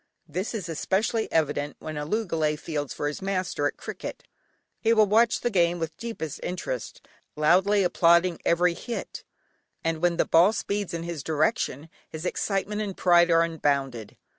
This is especially evident when a loogalay fields for his master at cricket. He will watch the game with deepest interest, loudly applauding every hit, and when the ball speeds in his direction his excitement and pride are unbounded.